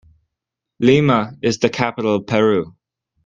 Lima is the capital of Peru.